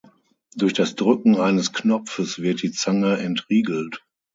Durch das Drücken eines Knopfes wird die Zange entriegelt.